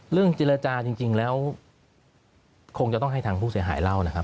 เรื่องเจรจาจริงแล้วคงจะต้องให้ทางผู้เสียหายเล่านะครับ